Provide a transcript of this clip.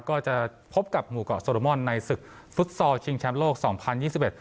ก็จะพบกับหมู่เกาะโซโรมอนในศึกฟุตซอลชิงแชมป์โลกสองพันยี่สิบเอ็ด